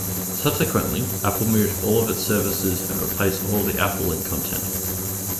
Subsequently Apple moved all of its services and replaced all of the AppleLink content.